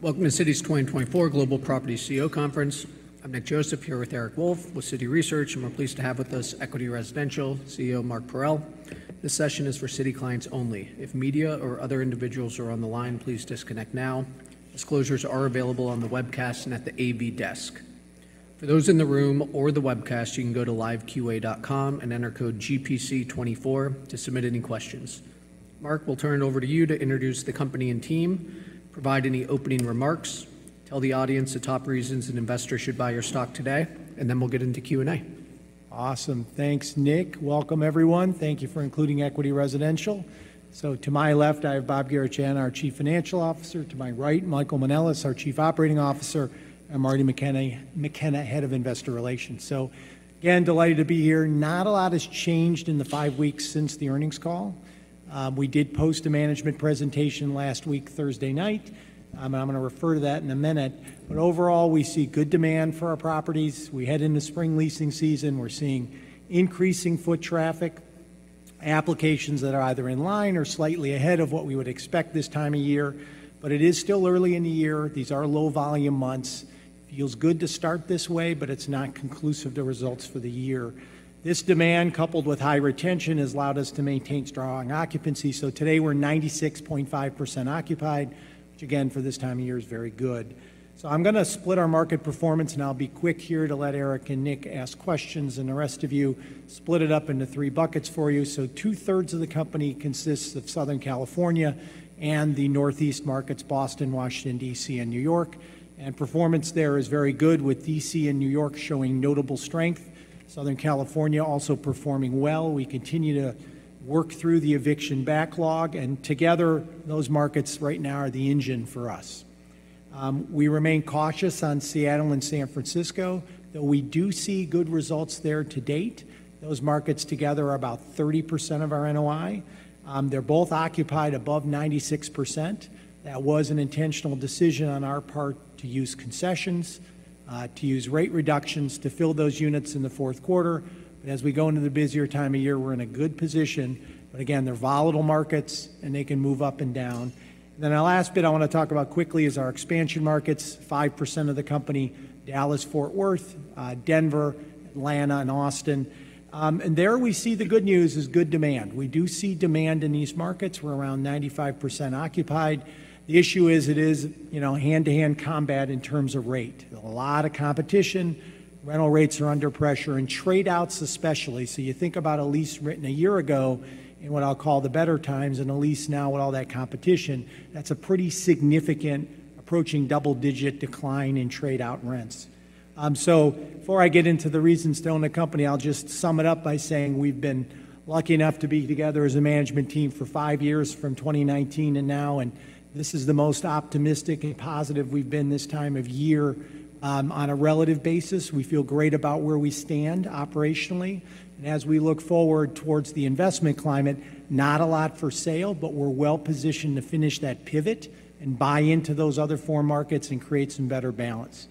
Welcome to Citi's 2024 Global Property CEO Conference. I'm Nick Joseph here with Eric Wolfe with Citi Research, and we're pleased to have with us Equity Residential CEO Mark Parrell. This session is for Citi clients only. If media or other individuals are on the line, please disconnect now. Disclosures are available on the webcast and at the AV desk. For those in the room or the webcast, you can go to LiveQA and enter code GPC24 to submit any questions. Mark, we'll turn it over to you to introduce the company and team, provide any opening remarks, tell the audience the top reasons an investor should buy your stock today, and then we'll get into Q&A. Awesome. Thanks, Nick. Welcome, everyone. Thank you for including Equity Residential. So to my left, I have Bob Garechana, our Chief Financial Officer. To my right, Michael Manelis, our Chief Operating Officer, and Marty McKenna, Head of Investor Relations. So again, delighted to be here. Not a lot has changed in the five weeks since the earnings call. We did post a management presentation last week, Thursday night, and I'm going to refer to that in a minute. But overall, we see good demand for our properties. We head into spring leasing season. We're seeing increasing foot traffic, applications that are either in line or slightly ahead of what we would expect this time of year. But it is still early in the year. These are low-volume months. Feels good to start this way, but it's not conclusive to results for the year. This demand, coupled with high retention, has allowed us to maintain strong occupancy. So today we're 96.5% occupied, which again, for this time of year, is very good. So I'm going to split our market performance, and I'll be quick here to let Eric and Nick ask questions, and the rest of you split it up into three buckets for you. So two-thirds of the company consists of Southern California and the Northeast markets: Boston, Washington, D.C., and New York. And performance there is very good, with D.C. and New York showing notable strength. Southern California also performing well. We continue to work through the eviction backlog, and together, those markets right now are the engine for us. We remain cautious on Seattle and San Francisco, though we do see good results there to date. Those markets together are about 30% of our NOI. They're both occupied above 96%. That was an intentional decision on our part to use concessions, to use rate reductions, to fill those units in the fourth quarter. But as we go into the busier time of year, we're in a good position. But again, they're volatile markets, and they can move up and down. And then our last bit I want to talk about quickly is our expansion markets: 5% of the company, Dallas-Fort Worth, Denver, Atlanta, and Austin. And there we see the good news is good demand. We do see demand in these markets. We're around 95% occupied. The issue is it is hand-to-hand combat in terms of rate. A lot of competition. Rental rates are under pressure, and tradeouts especially. So you think about a lease written a year ago in what I'll call the better times and a lease now with all that competition, that's a pretty significant approaching double-digit decline in tradeout rents. So before I get into the reasons to own the company, I'll just sum it up by saying we've been lucky enough to be together as a management team for five years from 2019 to now, and this is the most optimistic and positive we've been this time of year on a relative basis. We feel great about where we stand operationally. As we look forward towards the investment climate, not a lot for sale, but we're well-positioned to finish that pivot and buy into those other four markets and create some better balance.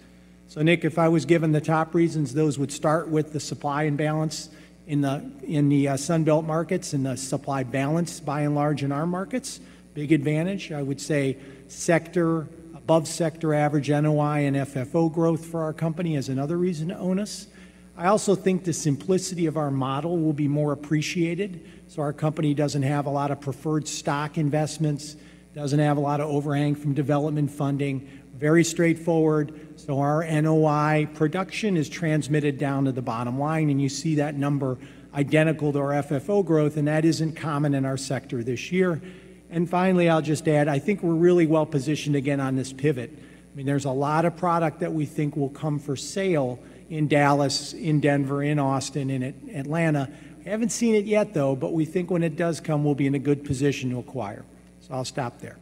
So Nick, if I was given the top reasons, those would start with the supply and balance in the Sunbelt markets and the supply balance, by and large, in our markets. Big advantage, I would say, sector above-sector average NOI and FFO growth for our company is another reason to own us. I also think the simplicity of our model will be more appreciated. So our company doesn't have a lot of preferred stock investments, doesn't have a lot of overhang from development funding, very straightforward. So our NOI production is transmitted down to the bottom line, and you see that number identical to our FFO growth, and that isn't common in our sector this year. And finally, I'll just add, I think we're really well-positioned again on this pivot. I mean, there's a lot of product that we think will come for sale in Dallas, in Denver, in Austin, in Atlanta. We haven't seen it yet, though, but we think when it does come, we'll be in a good position to acquire. So I'll stop there.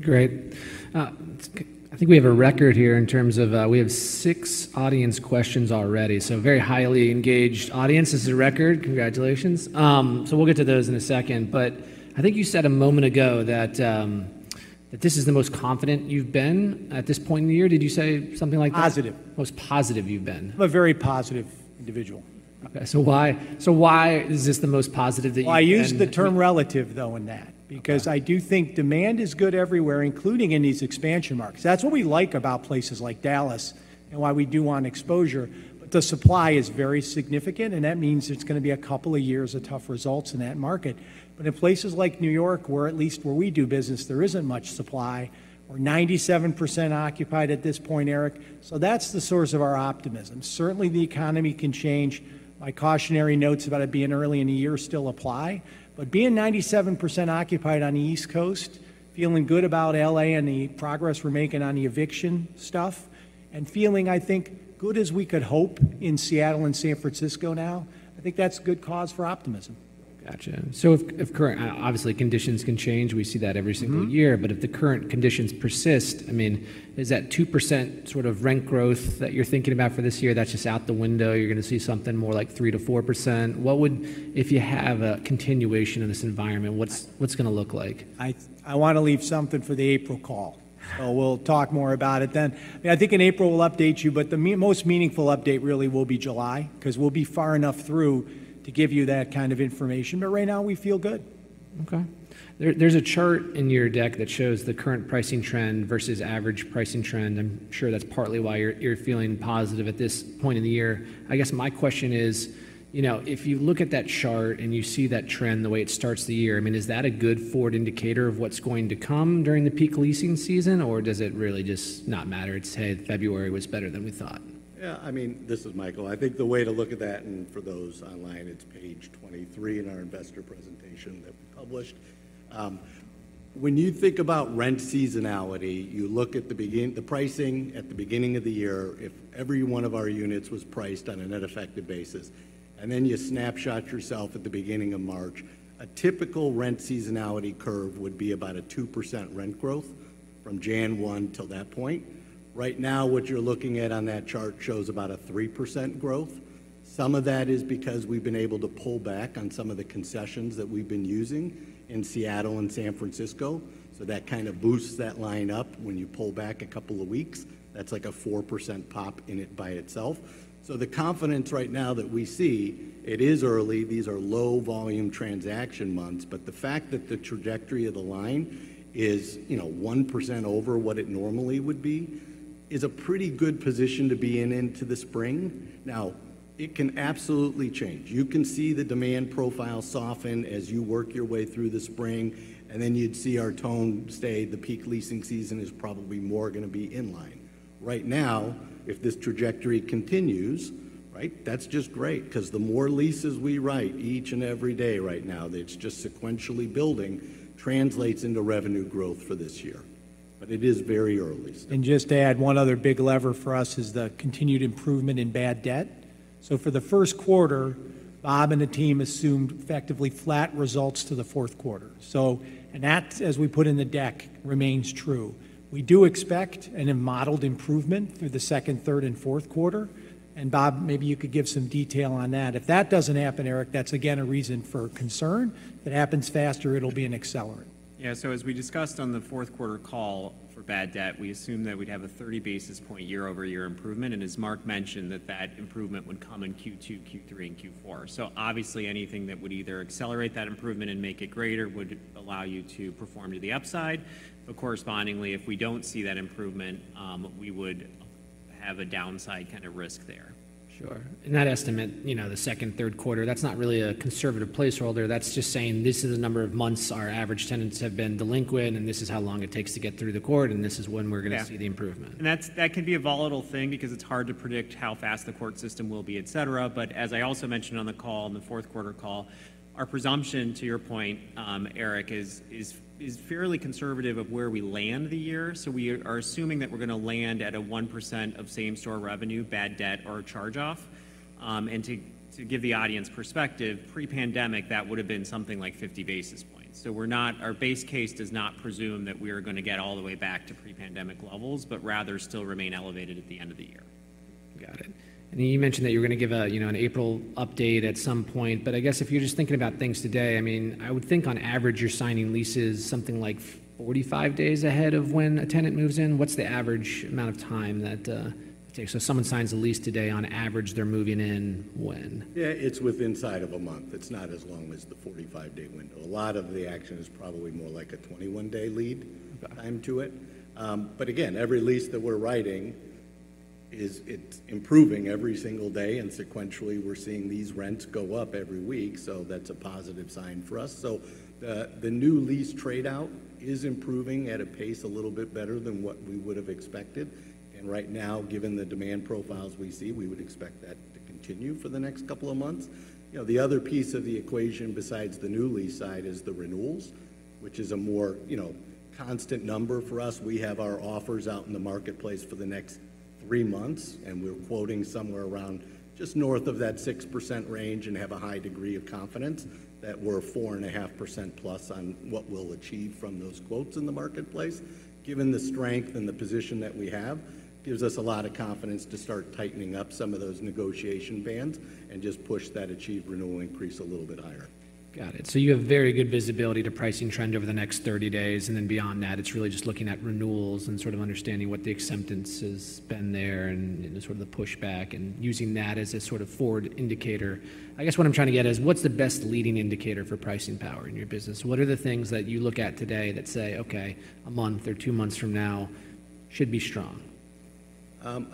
Great. I think we have a record here in terms of we have six audience questions already. Very highly engaged audience. This is a record. Congratulations. We'll get to those in a second. But I think you said a moment ago that this is the most confident you've been at this point in the year. Did you say something like that? Positive. Most positive you've been? I'm a very positive individual. Okay. Why is this the most positive that you've been? Well, I use the term relative, though, in that because I do think demand is good everywhere, including in these expansion markets. That's what we like about places like Dallas and why we do want exposure. But the supply is very significant, and that means it's going to be a couple of years of tough results in that market. But in places like New York, or at least where we do business, there isn't much supply. We're 97% occupied at this point, Eric. So that's the source of our optimism. Certainly, the economy can change. My cautionary notes about it being early in the year still apply. But being 97% occupied on the East Coast, feeling good about LA and the progress we're making on the eviction stuff, and feeling, I think, good as we could hope in Seattle and San Francisco now, I think that's good cause for optimism. Gotcha. So if current obviously, conditions can change. We see that every single year. But if the current conditions persist, I mean, is that 2% sort of rent growth that you're thinking about for this year? That's just out the window. You're going to see something more like 3%-4%. If you have a continuation in this environment, what's going to look like? I want to leave something for the April call. We'll talk more about it then. I mean, I think in April we'll update you, but the most meaningful update really will be July because we'll be far enough through to give you that kind of information. But right now, we feel good. Okay. There's a chart in your deck that shows the current pricing trend versus average pricing trend. I'm sure that's partly why you're feeling positive at this point in the year. I guess my question is, if you look at that chart and you see that trend the way it starts the year, I mean, is that a good forward indicator of what's going to come during the peak leasing season, or does it really just not matter? It's, "Hey, February was better than we thought"? Yeah. I mean, this is Michael. I think the way to look at that, and for those online, it's page 23 in our investor presentation that we published. When you think about rent seasonality, you look at the pricing at the beginning of the year. If every one of our units was priced on an unaffected basis, and then you snapshot yourself at the beginning of March, a typical rent seasonality curve would be about a 2% rent growth from January 1 till that point. Right now, what you're looking at on that chart shows about a 3% growth. Some of that is because we've been able to pull back on some of the concessions that we've been using in Seattle and San Francisco. So that kind of boosts that line up. When you pull back a couple of weeks, that's like a 4% pop in it by itself. So the confidence right now that we see, it is early. These are low-volume transaction months. But the fact that the trajectory of the line is 1% over what it normally would be is a pretty good position to be in into the spring. Now, it can absolutely change. You can see the demand profile soften as you work your way through the spring, and then you'd see our tone stay. The peak leasing season is probably more going to be in line. Right now, if this trajectory continues, right, that's just great because the more leases we write each and every day right now that's just sequentially building translates into revenue growth for this year. But it is very early still. Just to add, one other big lever for us is the continued improvement in bad debt. For the first quarter, Bob and the team assumed effectively flat results to the fourth quarter. That, as we put in the deck, remains true. We do expect a modeled improvement through the second, third, and fourth quarter. Bob, maybe you could give some detail on that. If that doesn't happen, Eric, that's again a reason for concern. If it happens faster, it'll be an accelerant. Yeah. So as we discussed on the fourth quarter call for bad debt, we assumed that we'd have a 30 basis point year-over-year improvement. And as Mark mentioned, that that improvement would come in Q2, Q3, and Q4. So obviously, anything that would either accelerate that improvement and make it greater would allow you to perform to the upside. But correspondingly, if we don't see that improvement, we would have a downside kind of risk there. Sure. In that estimate, the second, third quarter, that's not really a conservative placeholder. That's just saying this is the number of months our average tenants have been delinquent, and this is how long it takes to get through the court, and this is when we're going to see the improvement. Yeah. And that can be a volatile thing because it's hard to predict how fast the court system will be, etc. But as I also mentioned on the call, in the fourth quarter call, our presumption, to your point, Eric, is fairly conservative of where we land the year. So we are assuming that we're going to land at 1% of same-store revenue, bad debt, or a charge-off. And to give the audience perspective, pre-pandemic, that would have been something like 50 basis points. So our base case does not presume that we are going to get all the way back to pre-pandemic levels, but rather still remain elevated at the end of the year. Got it. And you mentioned that you were going to give an April update at some point. But I guess if you're just thinking about things today, I mean, I would think on average, you're signing leases something like 45 days ahead of when a tenant moves in. What's the average amount of time that it takes? So if someone signs a lease today, on average, they're moving in when? Yeah. It's within sight of a month. It's not as long as the 45-day window. A lot of the action is probably more like a 21-day lead time to it. But again, every lease that we're writing, it's improving every single day. And sequentially, we're seeing these rents go up every week. So that's a positive sign for us. So the new lease tradeout is improving at a pace a little bit better than what we would have expected. And right now, given the demand profiles we see, we would expect that to continue for the next couple of months. The other piece of the equation besides the new lease side is the renewals, which is a more constant number for us. We have our offers out in the marketplace for the next three months, and we're quoting somewhere around just north of that 6% range and have a high degree of confidence that we're 4.5%+ on what we'll achieve from those quotes in the marketplace. Given the strength and the position that we have, it gives us a lot of confidence to start tightening up some of those negotiation bands and just push that achieved renewal increase a little bit higher. Got it. So you have very good visibility to pricing trend over the next 30 days. And then beyond that, it's really just looking at renewals and sort of understanding what the acceptance has been there and sort of the pushback and using that as a sort of forward indicator. I guess what I'm trying to get is, what's the best leading indicator for pricing power in your business? What are the things that you look at today that say, "Okay, a month or two months from now should be strong"?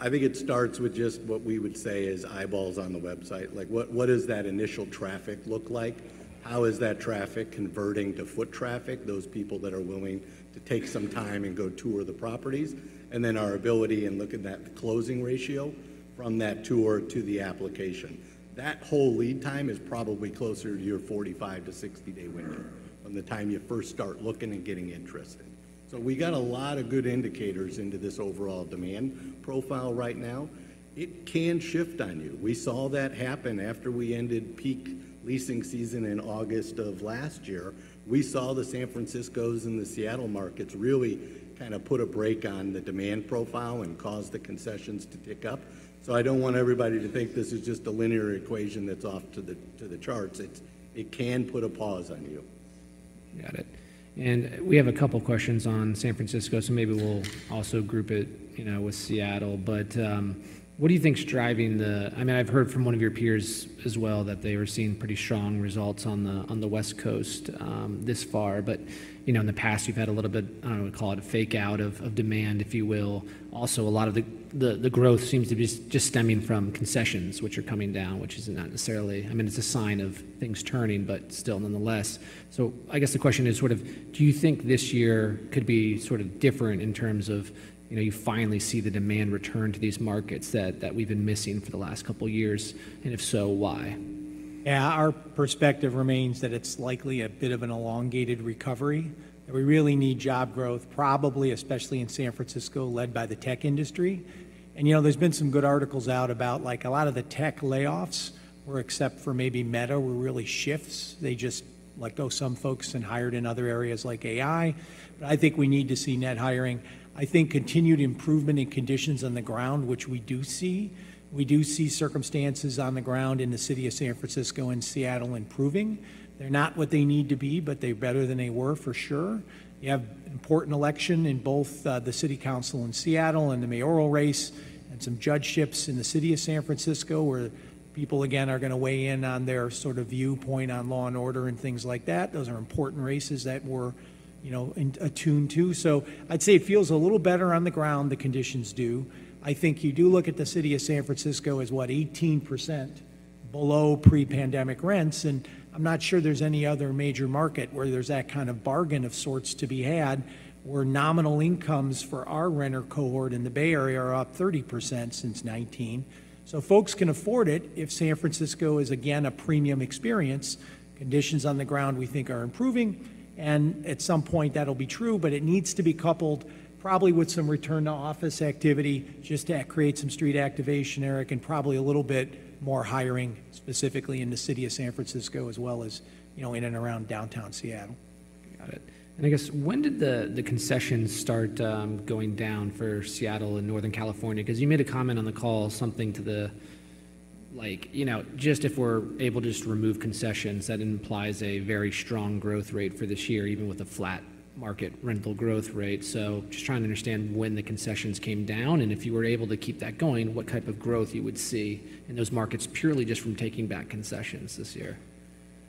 I think it starts with just what we would say is eyeballs on the website. What does that initial traffic look like? How is that traffic converting to foot traffic, those people that are willing to take some time and go tour the properties? And then our ability and look at that closing ratio from that tour to the application. That whole lead time is probably closer to your 45-60-day window from the time you first start looking and getting interested. So we got a lot of good indicators into this overall demand profile right now. It can shift on you. We saw that happen after we ended peak leasing season in August of last year. We saw the San Francisco and Seattle markets really kind of put a brake on the demand profile and cause the concessions to tick up. I don't want everybody to think this is just a linear equation that's off the charts. It can put a pause on you. Got it. And we have a couple of questions on San Francisco, so maybe we'll also group it with Seattle. But what do you think's driving the, I mean, I've heard from one of your peers as well that they were seeing pretty strong results on the West Coast thus far. But in the past, you've had a little bit - I don't know what you'd call it - of fake-out of demand, if you will. Also, a lot of the growth seems to be just stemming from concessions, which are coming down, which is not necessarily, I mean, it's a sign of things turning, but still nonetheless. So I guess the question is sort of, do you think this year could be sort of different in terms of you finally see the demand return to these markets that we've been missing for the last couple of years? If so, why? Yeah. Our perspective remains that it's likely a bit of an elongated recovery, that we really need job growth, probably especially in San Francisco, led by the tech industry. There's been some good articles out about a lot of the tech layoffs were except for maybe Meta, where really shifts. They just let go some folks and hired in other areas like AI. I think we need to see net hiring. I think continued improvement in conditions on the ground, which we do see. We do see circumstances on the ground in the city of San Francisco and Seattle improving. They're not what they need to be, but they're better than they were, for sure. You have an important election in both the City Council in Seattle and the mayoral race and some judgeships in the city of San Francisco where people, again, are going to weigh in on their sort of viewpoint on law and order and things like that. Those are important races that we're attuned to. So I'd say it feels a little better on the ground. The conditions do. I think you do look at the city of San Francisco as, what, 18% below pre-pandemic rents. And I'm not sure there's any other major market where there's that kind of bargain of sorts to be had where nominal incomes for our renter cohort in the Bay Area are up 30% since 2019. So folks can afford it if San Francisco is, again, a premium experience. Conditions on the ground, we think, are improving. And at some point, that'll be true. It needs to be coupled probably with some return to office activity just to create some street activation, Eric, and probably a little bit more hiring specifically in the city of San Francisco as well as in and around downtown Seattle. Got it. And I guess when did the concessions start going down for Seattle and Northern California? Because you made a comment on the call, something to the like, "Just if we're able to just remove concessions, that implies a very strong growth rate for this year, even with a flat market rental growth rate." So just trying to understand when the concessions came down. And if you were able to keep that going, what type of growth you would see in those markets purely just from taking back concessions this year.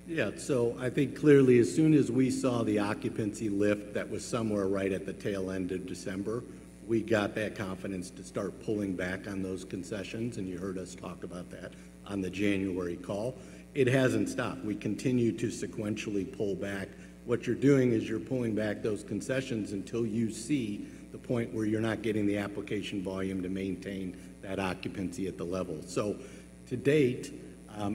Yeah. So I think clearly, as soon as we saw the occupancy lift that was somewhere right at the tail end of December, we got that confidence to start pulling back on those concessions. You heard us talk about that on the January call. It hasn't stopped. We continue to sequentially pull back. What you're doing is you're pulling back those concessions until you see the point where you're not getting the application volume to maintain that occupancy at the level. To date,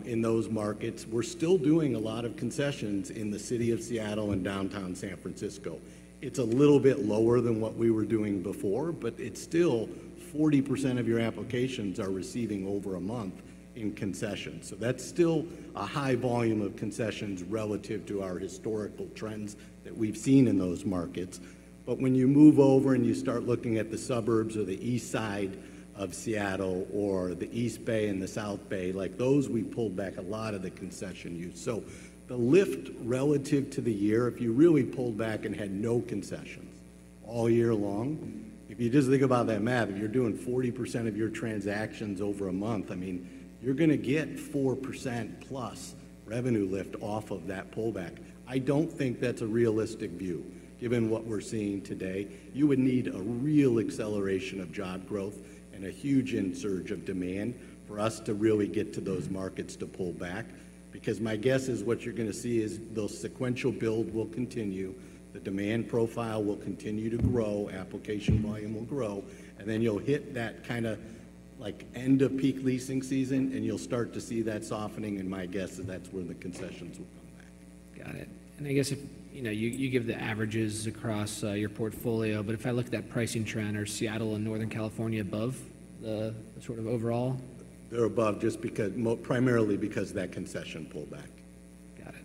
in those markets, we're still doing a lot of concessions in the city of Seattle and downtown San Francisco. It's a little bit lower than what we were doing before, but it's still 40% of your applications are receiving over a month in concessions. That's still a high volume of concessions relative to our historical trends that we've seen in those markets. But when you move over and you start looking at the suburbs or the Eastside of Seattle or the East Bay and the South Bay, like those, we pulled back a lot of the concession use. So the lift relative to the year, if you really pulled back and had no concessions all year long, if you just think about that math, if you're doing 40% of your transactions over a month, I mean, you're going to get 4%+ revenue lift off of that pullback. I don't think that's a realistic view given what we're seeing today. You would need a real acceleration of job growth and a huge insurge of demand for us to really get to those markets to pull back. Because my guess is what you're going to see is the sequential build will continue. The demand profile will continue to grow. Application volume will grow. Then you'll hit that kind of end of peak leasing season, and you'll start to see that softening. My guess is that's when the concessions will come back. Got it. I guess you give the averages across your portfolio. If I look at that pricing trend, are Seattle and Northern California above the sort of overall? They're above primarily because of that concession pullback. Got it.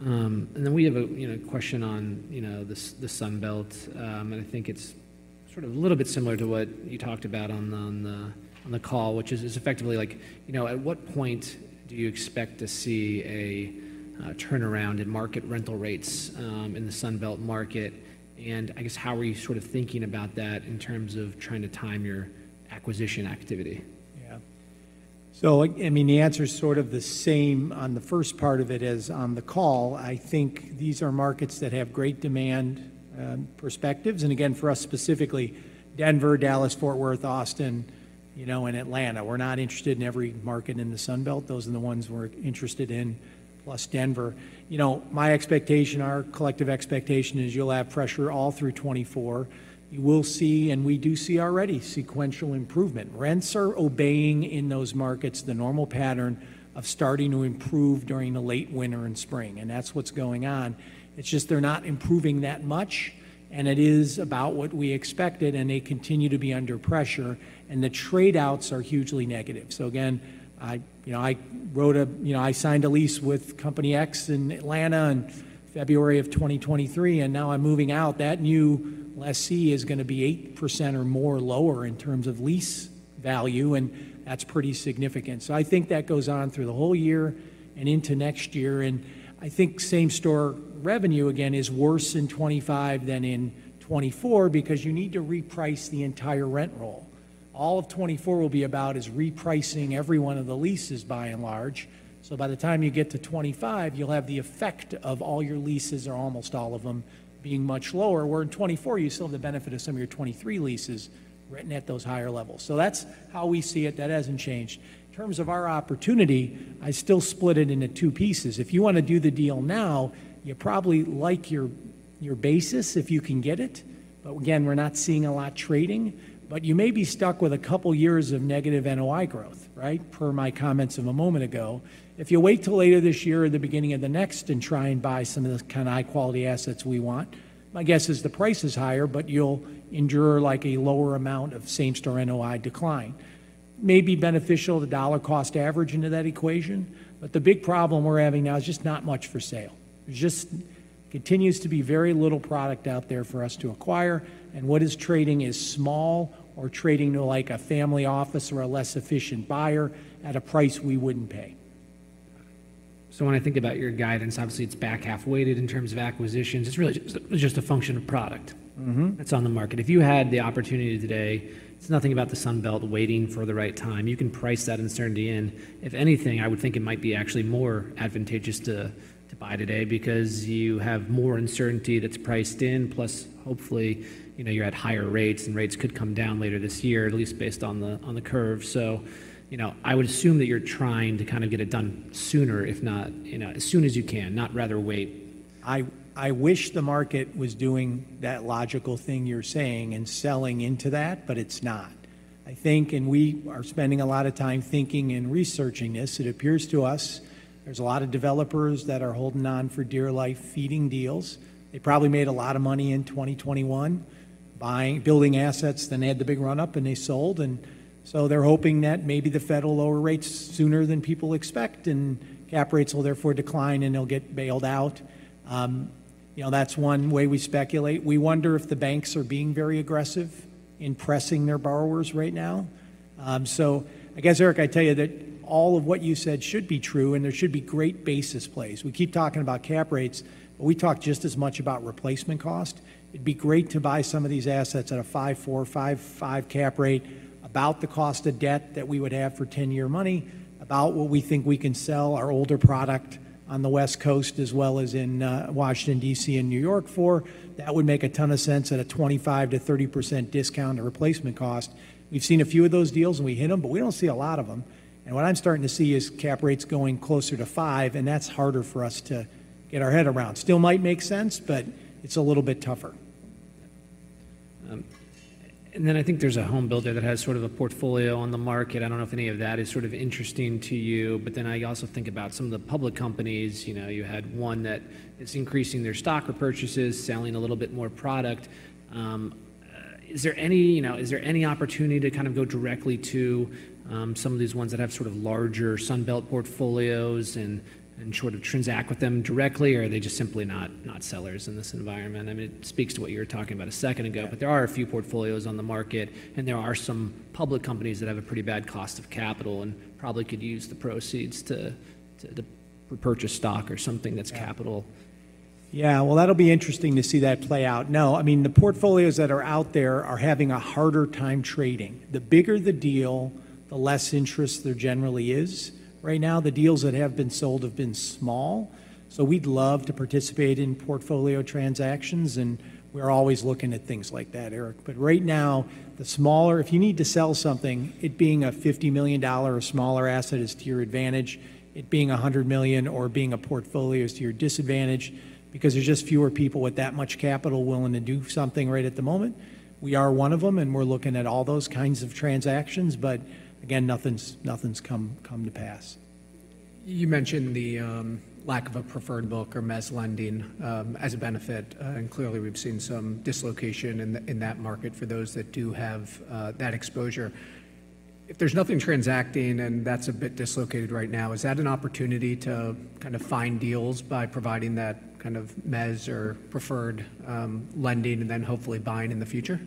And then we have a question on the Sunbelt. And I think it's sort of a little bit similar to what you talked about on the call, which is effectively like, at what point do you expect to see a turnaround in market rental rates in the Sunbelt market? And I guess how are you sort of thinking about that in terms of trying to time your acquisition activity? Yeah. So I mean, the answer's sort of the same on the first part of it as on the call. I think these are markets that have great demand perspectives. And again, for us specifically, Denver, Dallas, Fort Worth, Austin, and Atlanta, we're not interested in every market in the Sunbelt. Those are the ones we're interested in, plus Denver. My expectation, our collective expectation, is you'll have pressure all through 2024. You will see, and we do see already, sequential improvement. Rents are obeying in those markets the normal pattern of starting to improve during the late winter and spring. And that's what's going on. It's just they're not improving that much. And it is about what we expected. And they continue to be under pressure. And the tradeouts are hugely negative. So again, I signed a lease with Company X in Atlanta in February of 2023. And now I'm moving out. That new lessee is going to be 8% or more lower in terms of lease value. And that's pretty significant. So I think that goes on through the whole year and into next year. And I think same-store revenue, again, is worse in 2025 than in 2024 because you need to reprice the entire rent roll. All of 2024 will be about repricing every one of the leases, by and large. So by the time you get to 2025, you'll have the effect of all your leases, or almost all of them, being much lower, where in 2024, you still have the benefit of some of your 2023 leases written at those higher levels. So that's how we see it. That hasn't changed. In terms of our opportunity, I still split it into two pieces. If you want to do the deal now, you probably like your basis if you can get it. But again, we're not seeing a lot trading. But you may be stuck with a couple of years of negative NOI growth, right, per my comments of a moment ago. If you wait till later this year or the beginning of the next and try and buy some of the kind of high-quality assets we want, my guess is the price is higher, but you'll endure a lower amount of same-store NOI decline. May be beneficial, the dollar cost average into that equation. But the big problem we're having now is just not much for sale. There just continues to be very little product out there for us to acquire. What is trading is small or trading to a family office or a less efficient buyer at a price we wouldn't pay. So when I think about your guidance, obviously, it's back-half-weighted in terms of acquisitions. It's really just a function of product that's on the market. If you had the opportunity today, it's nothing about the Sunbelt waiting for the right time. You can price that uncertainty in. If anything, I would think it might be actually more advantageous to buy today because you have more uncertainty that's priced in, plus hopefully, you're at higher rates. And rates could come down later this year, at least based on the curve. So I would assume that you're trying to kind of get it done sooner, if not as soon as you can, not rather wait. I wish the market was doing that logical thing you're saying and selling into that, but it's not. I think, and we are spending a lot of time thinking and researching this, it appears to us there's a lot of developers that are holding on for dear life feeding deals. They probably made a lot of money in 2021 building assets, then had the big run-up, and they sold. And so they're hoping that maybe the Fed will lower rates sooner than people expect, and cap rates will therefore decline, and they'll get bailed out. That's one way we speculate. We wonder if the banks are being very aggressive in pressing their borrowers right now. So I guess, Eric, I tell you that all of what you said should be true, and there should be great basis plays. We keep talking about cap rates, but we talk just as much about replacement cost. It'd be great to buy some of these assets at a 5.4-5.5 cap rate, about the cost of debt that we would have for 10-year money, about what we think we can sell our older product on the West Coast as well as in Washington, D.C., and New York for. That would make a ton of sense at a 25%-30% discount to replacement cost. We've seen a few of those deals, and we hit them, but we don't see a lot of them. And what I'm starting to see is cap rates going closer to five. And that's harder for us to get our head around. Still might make sense, but it's a little bit tougher. And then I think there's a home builder that has sort of a portfolio on the market. I don't know if any of that is sort of interesting to you. But then I also think about some of the public companies. You had one that is increasing their stock or purchases, selling a little bit more product. Is there any opportunity to kind of go directly to some of these ones that have sort of larger Sunbelt portfolios and sort of transact with them directly, or are they just simply not sellers in this environment? I mean, it speaks to what you were talking about a second ago. But there are a few portfolios on the market, and there are some public companies that have a pretty bad cost of capital and probably could use the proceeds to repurchase stock or something that's capital. Yeah. Well, that'll be interesting to see that play out. No. I mean, the portfolios that are out there are having a harder time trading. The bigger the deal, the less interest there generally is. Right now, the deals that have been sold have been small. So we'd love to participate in portfolio transactions. And we're always looking at things like that, Eric. But right now, the smaller if you need to sell something, it being a $50 million or smaller asset is to your advantage. It being $100 million or being a portfolio is to your disadvantage because there's just fewer people with that much capital willing to do something right at the moment. We are one of them, and we're looking at all those kinds of transactions. But again, nothing's come to pass. You mentioned the lack of a preferred book or mezz lending as a benefit. Clearly, we've seen some dislocation in that market for those that do have that exposure. If there's nothing transacting and that's a bit dislocated right now, is that an opportunity to kind of find deals by providing that kind of mezz or preferred lending and then hopefully buying in the future?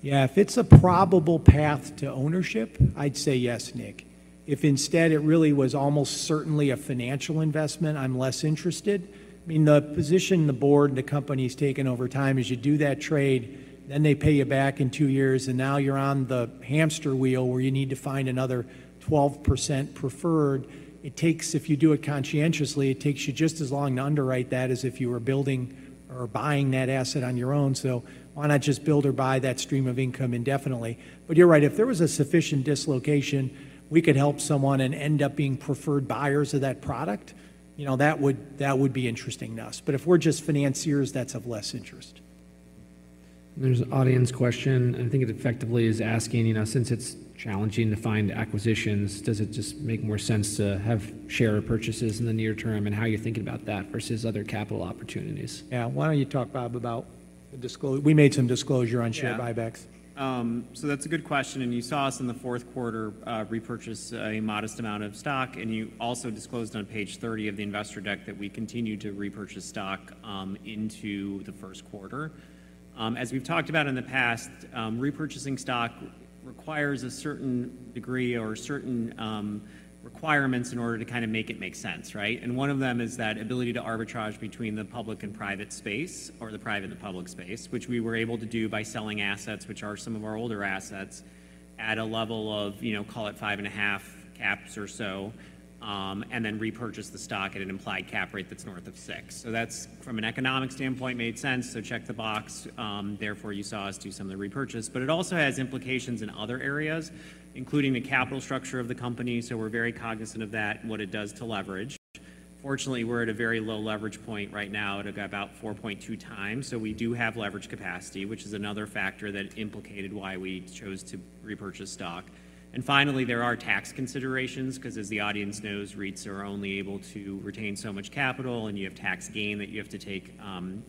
Yeah. If it's a probable path to ownership, I'd say yes, Nick. If instead it really was almost certainly a financial investment, I'm less interested. I mean, the position the board and the company's taken over time is you do that trade, then they pay you back in two years. And now you're on the hamster wheel where you need to find another 12% preferred. If you do it conscientiously, it takes you just as long to underwrite that as if you were building or buying that asset on your own. So why not just build or buy that stream of income indefinitely? But you're right. If there was a sufficient dislocation, we could help someone and end up being preferred buyers of that product. That would be interesting to us. But if we're just financiers, that's of less interest. There's an audience question. I think it effectively is asking, since it's challenging to find acquisitions, does it just make more sense to have share purchases in the near term and how you're thinking about that versus other capital opportunities? Yeah. Why don't you talk, Bob, about the disclosure? We made some disclosure on share buybacks. Yeah. So that's a good question. You saw us in the fourth quarter repurchase a modest amount of stock. You also disclosed on page 30 of the investor deck that we continue to repurchase stock into the first quarter. As we've talked about in the past, repurchasing stock requires a certain degree or certain requirements in order to kind of make it make sense, right? One of them is that ability to arbitrage between the public and private space or the private and the public space, which we were able to do by selling assets, which are some of our older assets, at a level of, call it, 5.5 caps or so, and then repurchase the stock at an implied cap rate that's north of six. So that's, from an economic standpoint, made sense. So check the box. Therefore, you saw us do some of the repurchase. But it also has implications in other areas, including the capital structure of the company. So we're very cognizant of that and what it does to leverage. Fortunately, we're at a very low leverage point right now. It'll go about 4.2x. So we do have leverage capacity, which is another factor that implicated why we chose to repurchase stock. And finally, there are tax considerations because, as the audience knows, REITs are only able to retain so much capital. And you have tax gain that you have to take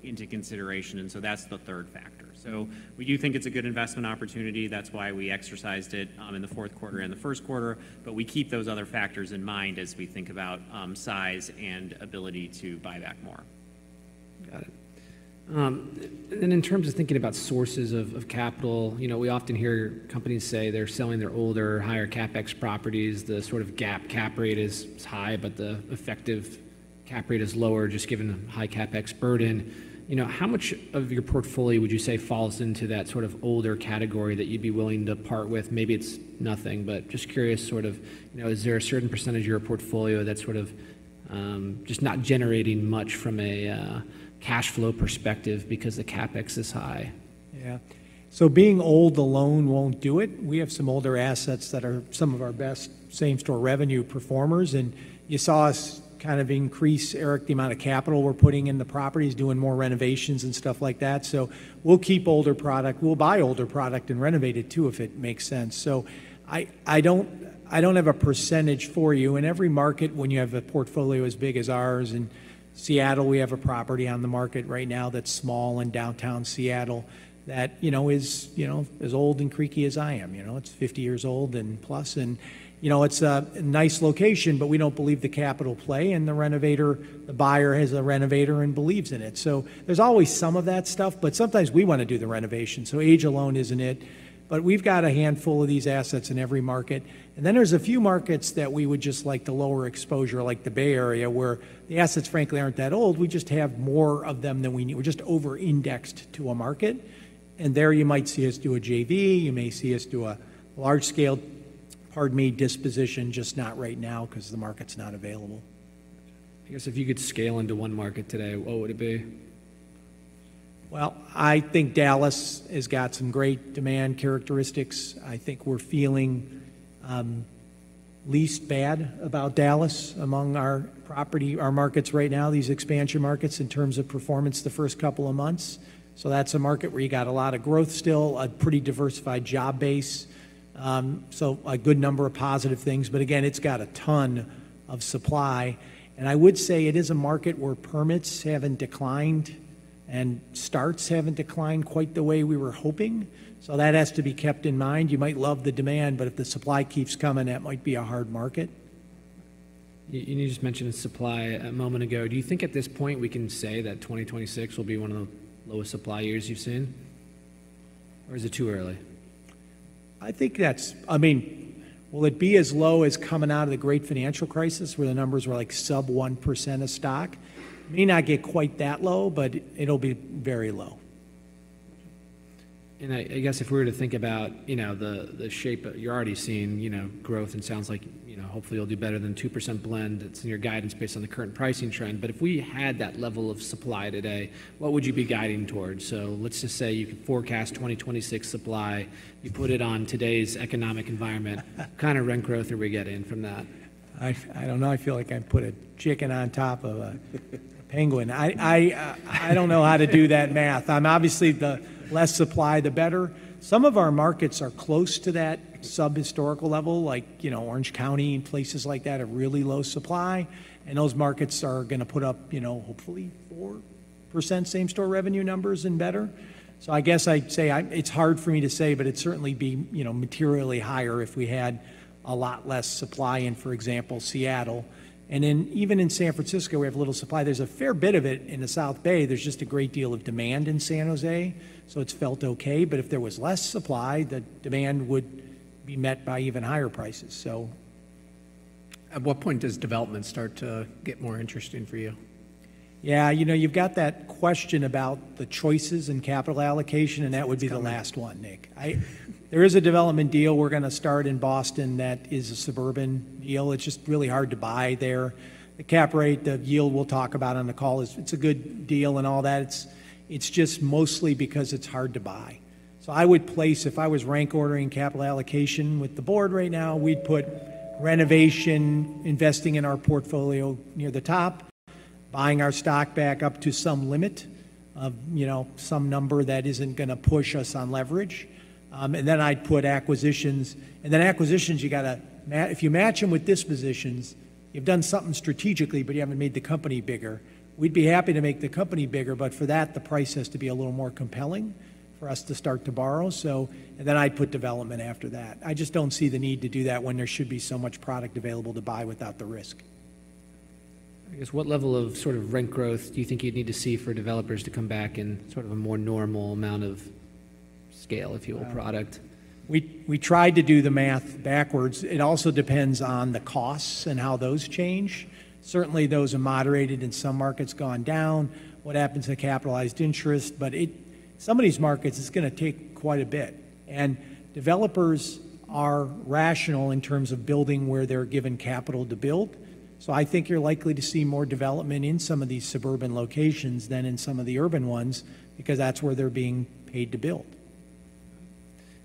into consideration. And so that's the third factor. So we do think it's a good investment opportunity. That's why we exercised it in the fourth quarter and the first quarter. But we keep those other factors in mind as we think about size and ability to buy back more. Got it. And then in terms of thinking about sources of capital, we often hear companies say they're selling their older, higher-CapEx properties. The sort of gap cap rate is high, but the effective cap rate is lower just given the high-CapEx burden. How much of your portfolio would you say falls into that sort of older category that you'd be willing to part with? Maybe it's nothing. But just curious, sort of, is there a certain percentage of your portfolio that's sort of just not generating much from a cash flow perspective because the CapEx is high? Yeah. So being old alone won't do it. We have some older assets that are some of our best same-store revenue performers. You saw us kind of increase, Eric, the amount of capital we're putting in the properties, doing more renovations and stuff like that. So we'll keep older product. We'll buy older product and renovate it too if it makes sense. So I don't have a percentage for you. In every market, when you have a portfolio as big as ours in Seattle, we have a property on the market right now that's small in downtown Seattle that is as old and creaky as I am. It's 50+ years old. And it's a nice location, but we don't believe the capital play. And the buyer has a renovator and believes in it. So there's always some of that stuff. But sometimes we want to do the renovation. So age alone isn't it. But we've got a handful of these assets in every market. And then there's a few markets that we would just like to lower exposure, like the Bay Area, where the assets, frankly, aren't that old. We just have more of them than we need. We're just over-indexed to a market. And there you might see us do a JV. You may see us do a large-scale, pardon me, disposition, just not right now because the market's not available. I guess if you could scale into one market today, what would it be? Well, I think Dallas has got some great demand characteristics. I think we're feeling least bad about Dallas among our markets right now, these expansion markets, in terms of performance the first couple of months. So that's a market where you got a lot of growth still, a pretty diversified job base, so a good number of positive things. But again, it's got a ton of supply. And I would say it is a market where permits haven't declined and starts haven't declined quite the way we were hoping. So that has to be kept in mind. You might love the demand, but if the supply keeps coming, that might be a hard market. You just mentioned supply a moment ago. Do you think at this point we can say that 2026 will be one of the lowest supply years you've seen, or is it too early? I mean, will it be as low as coming out of the Great Financial Crisis where the numbers were sub-1% of stock? May not get quite that low, but it'll be very low. I guess if we were to think about the shape you're already seeing growth, and it sounds like hopefully, you'll do better than 2% blend. It's in your guidance based on the current pricing trend. But if we had that level of supply today, what would you be guiding towards? So let's just say you could forecast 2026 supply. You put it on today's economic environment. Kind of rent growth, are we getting from that? I don't know. I feel like I put a chicken on top of a penguin. I don't know how to do that math. Obviously, the less supply, the better. Some of our markets are close to that subhistorical level, like Orange County and places like that, at really low supply. Those markets are going to put up, hopefully, 4% same-store revenue numbers and better. I guess I'd say it's hard for me to say, but it'd certainly be materially higher if we had a lot less supply in, for example, Seattle. Then even in San Francisco, we have little supply. There's a fair bit of it in the South Bay. There's just a great deal of demand in San Jose. So it's felt okay. But if there was less supply, the demand would be met by even higher prices, so. At what point does development start to get more interesting for you? Yeah. You've got that question about the choices in capital allocation. That would be the last one, Nick. There is a development deal we're going to start in Boston that is a suburban deal. It's just really hard to buy there. The cap rate, the yield we'll talk about on the call, it's a good deal and all that. It's just mostly because it's hard to buy. So if I was rank ordering capital allocation with the board right now, we'd put renovation, investing in our portfolio near the top, buying our stock back up to some limit of some number that isn't going to push us on leverage. And then I'd put acquisitions. And then acquisitions, if you match them with dispositions, you've done something strategically, but you haven't made the company bigger. We'd be happy to make the company bigger. But for that, the price has to be a little more compelling for us to start to borrow. And then I'd put development after that. I just don't see the need to do that when there should be so much product available to buy without the risk. I guess what level of sort of rent growth do you think you'd need to see for developers to come back in sort of a more normal amount of scale, if you will, product? We tried to do the math backwards. It also depends on the costs and how those change. Certainly, those are moderated in some markets, gone down, what happens to capitalized interest. But in some of these markets, it's going to take quite a bit. And developers are rational in terms of building where they're given capital to build. So I think you're likely to see more development in some of these suburban locations than in some of the urban ones because that's where they're being paid to build.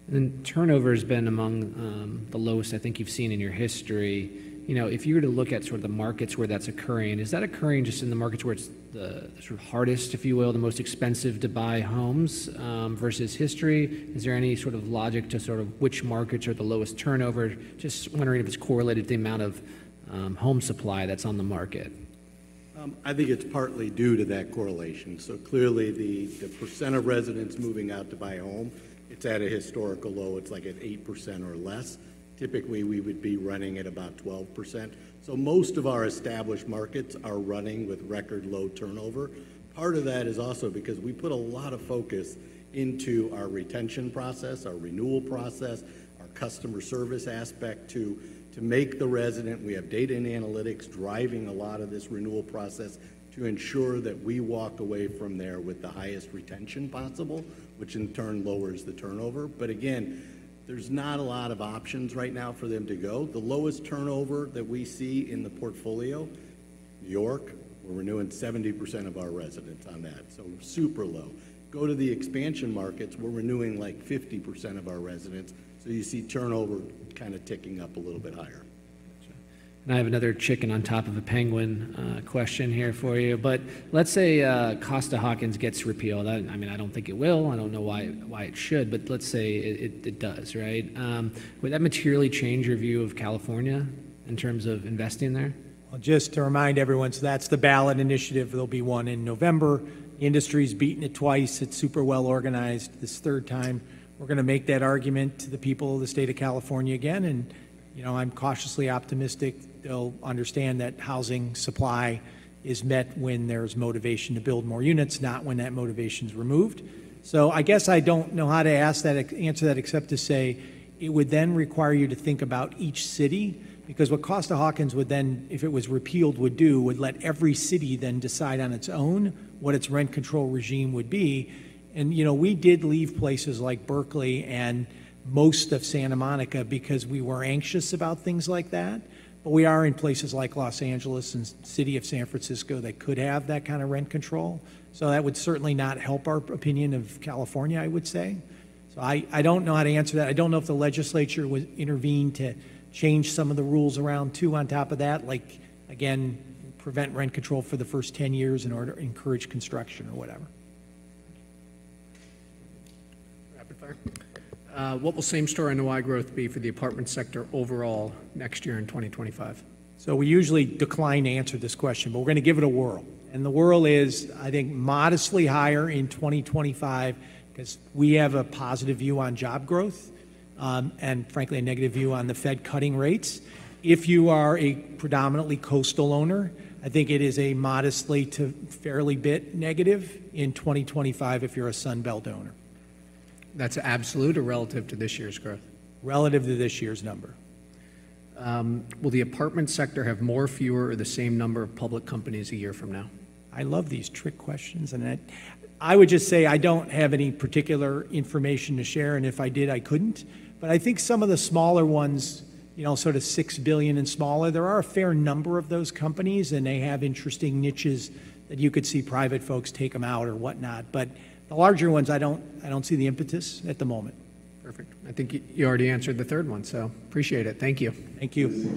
And then turnover has been among the lowest, I think, you've seen in your history. If you were to look at sort of the markets where that's occurring, is that occurring just in the markets where it's the sort of hardest, if you will, the most expensive to buy homes versus history? Is there any sort of logic to sort of which markets are the lowest turnover? Just wondering if it's correlated to the amount of home supply that's on the market. I think it's partly due to that correlation. So clearly, the percent of residents moving out to buy a home, it's at a historical low. It's like at 8% or less. Typically, we would be running at about 12%. So most of our established markets are running with record low turnover. Part of that is also because we put a lot of focus into our retention process, our renewal process, our customer service aspect to make the resident we have data and analytics driving a lot of this renewal process to ensure that we walk away from there with the highest retention possible, which in turn lowers the turnover. But again, there's not a lot of options right now for them to go. The lowest turnover that we see in the portfolio, New York, we're renewing 70% of our residents on that, so super low. Go to the expansion markets, we're renewing like 50% of our residents. So you see turnover kind of ticking up a little bit higher. Gotcha. And I have another chicken on top of a penguin question here for you. But let's say Costa-Hawkins gets repealed. I mean, I don't think it will. I don't know why it should. But let's say it does, right? Would that materially change your view of California in terms of investing there? Well, just to remind everyone, so that's the ballot initiative. There'll be one in November. Industry's beaten it twice. It's super well organized this third time. We're going to make that argument to the people of the state of California again. I'm cautiously optimistic they'll understand that housing supply is met when there's motivation to build more units, not when that motivation's removed. I guess I don't know how to answer that except to say it would then require you to think about each city because what Costa-Hawkins would then, if it was repealed, would do would let every city then decide on its own what its rent control regime would be. And we did leave places like Berkeley and most of Santa Monica because we were anxious about things like that. But we are in places like Los Angeles and the city of San Francisco that could have that kind of rent control. So that would certainly not help our opinion of California, I would say. So I don't know how to answer that. I don't know if the legislature would intervene to change some of the rules around too on top of that, like, again, prevent rent control for the first 10 years in order to encourage construction or whatever. Rapid fire. What will same-store and NOI. growth be for the apartment sector overall next year in 2025? So we usually decline to answer this question, but we're going to give it a whirl. The whirl is, I think, modestly higher in 2025 because we have a positive view on job growth and, frankly, a negative view on the Fed cutting rates. If you are a predominantly coastal owner, I think it is a modestly to fairly bit negative in 2025 if you're a Sunbelt owner. That's absolute or relative to this year's growth? Relative to this year's number. Will the apartment sector have more, fewer, or the same number of public companies a year from now? I love these trick questions. I would just say I don't have any particular information to share. If I did, I couldn't. I think some of the smaller ones, sort of $6 billion and smaller, there are a fair number of those companies. They have interesting niches that you could see private folks take them out or whatnot. The larger ones, I don't see the impetus at the moment. Perfect. I think you already answered the third one, so appreciate it. Thank you. Thank you.